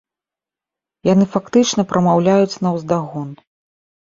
Яны фактычна прамаўляюць наўздагон.